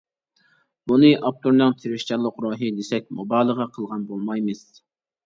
بۇنى ئاپتورنىڭ تىرىشچانلىق روھى، دېسەك مۇبالىغە قىلغان بولمايمىز.